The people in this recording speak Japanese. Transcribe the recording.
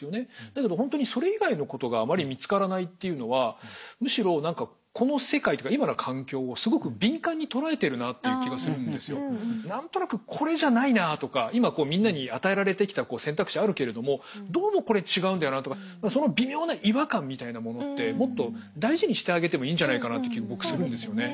だけど本当にそれ以外のことがあまり見つからないっていうのはむしろ何かこの世界というか何となくこれじゃないなとか今みんなに与えられてきた選択肢はあるけれどもどうもこれ違うんだよなとかその微妙な違和感みたいなものってもっと大事にしてあげてもいいんじゃないかなって気が僕するんですよね。